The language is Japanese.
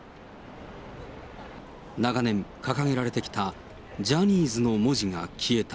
長年掲げられてきたジャニーズの文字が消えた。